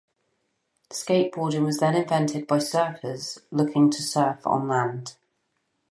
Skateboarding was then invented by surfers looking to "surf" on land.